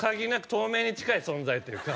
透明に近い存在というか。